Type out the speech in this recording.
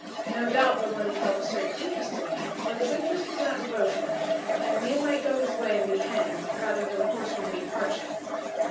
No doubt but what he felt a certain interest in me; but his interest was not devotion; and man might go his way and be hanged, rather than horse would meet hardship.